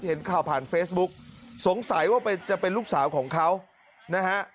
เห็นข่าวผ่านเฟซบุ๊กสงสัยว่าจะเป็นลูกสาวของเขานะฮะ